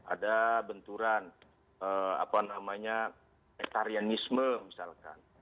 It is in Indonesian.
ada benturan apa namanya etarianisme misalkan